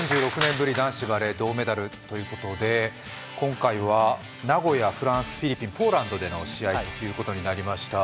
ぶり男子バレー銅メダルということで、今回は名古屋、フランス、フィリピンポーランドでの試合ということになりました。